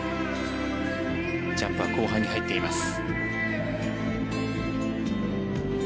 ジャンプは後半に入っています。